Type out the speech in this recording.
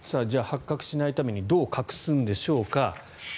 じゃあ発覚しないためにどう隠すんでしょうか。